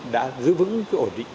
đã giữ vững ổn định